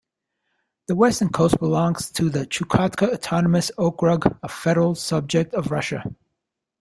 The western coast belongs to the Chukotka Autonomous Okrug, a Federal subject of Russia.